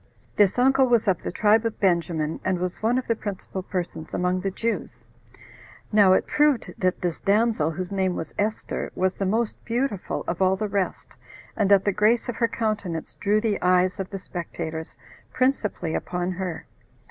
This uncle was of the tribe of Benjamin, and was one of the principal persons among the Jews. Now it proved that this damsel, whose name was Esther, was the most beautiful of all the rest, and that the grace of her countenance drew the eyes of the spectators principally upon her.